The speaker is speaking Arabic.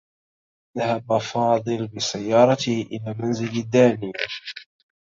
ذهب فاضل بسيارته إلى منزل دانية.